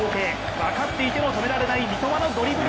分かっていても止められない、三笘のドリブル！